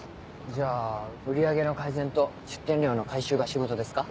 じゃあ売り上げの改善と出店料の回収が仕事ですか？